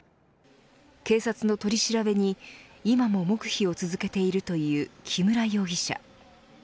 警察の取り調べに今も黙秘を続けているという木村容疑者。